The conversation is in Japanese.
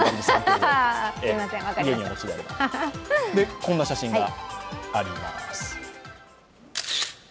こんな写真があります。